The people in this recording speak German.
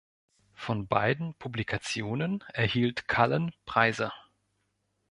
Von beiden Publikationen erhielt Cullen Preise.